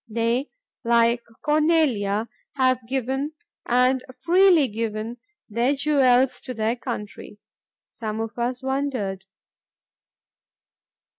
They, like Cornelia, have given, and freely given, their jewels to their country." Some of us wondered.